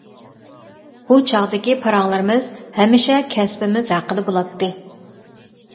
ئۇ چاغدىكى پاراڭلىرىمىز ھەمىشە كەسپىمىز ھەققىدە بولاتتى.